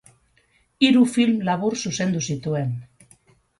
Hiru film labur zuzendu zituen.